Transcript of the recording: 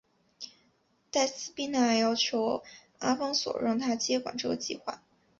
黛丝碧娜要求阿方索让她接管这个计画。